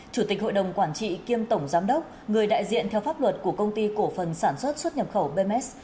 chủ tịch hội đồng quản trị kiêm tổng giám đốc người đại diện theo pháp luật của công ty cổ phần sản xuất xuất nhập khẩu bms